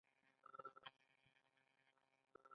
د علامه رشاد لیکنی هنر مهم دی ځکه چې عوامل څېړي.